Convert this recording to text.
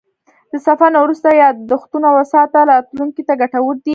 د سفر نه وروسته یادښتونه وساته، راتلونکي ته ګټور دي.